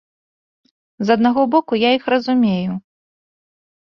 З аднаго боку, я іх разумею.